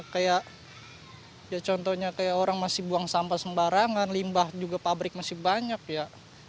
kayak ya contohnya kayak orang masih buang sampah sembarangan limbah juga pabrik masih banyak ya